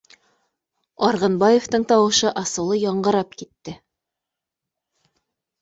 — Арғынбаевтың тауышы асыулы яңғырап китте